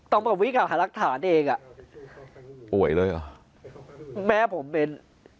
ต้องแบบวิกล่าหารักฐานเองอ่ะป่วยเลยเหรอแม่ผมเป็น